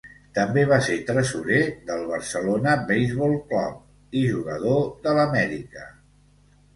També va ser tresorer del Barcelona Base-ball Club i jugador de l'Amèrica.